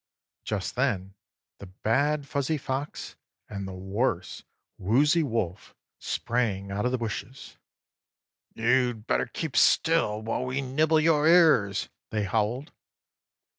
Just then the bad Fuzzy Fox and the worse Woozie Wolf sprang out of the bushes. "You'd better keep still while we nibble your ears!" they howled.